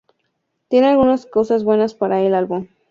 Tiene algunas cosas buenas para el álbum"".